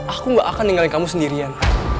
aku gak akan ninggalin kamu sendirian